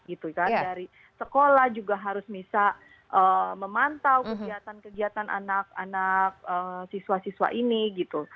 dari sekolah juga harus bisa memantau kegiatan kegiatan anak anak siswa siswa ini